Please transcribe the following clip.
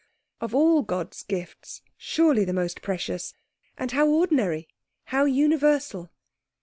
Of all God's gifts, surely the most precious. And how ordinary, how universal.